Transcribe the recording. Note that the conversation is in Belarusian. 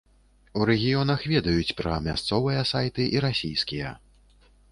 У рэгіёнах ведаюць пра мясцовыя сайты і расійскія.